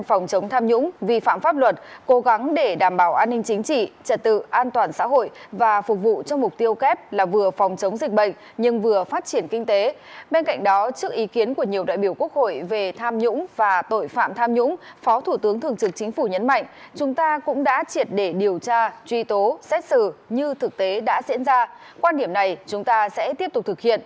phó thủ tướng thường trực chính phủ trương hòa bình